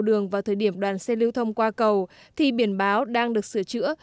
đường vào thời điểm đoàn xe lưu thông qua cầu thì biển báo đang được sửa chữa